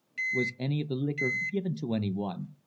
"Was any of the liqueur given to any one?"